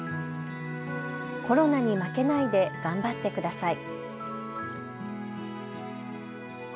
コロナに負けないで頑張ってください。